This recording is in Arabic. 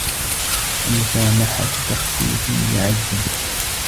وَمُسَامَحَةُ تَخْفِيفٍ لِعَجْزٍ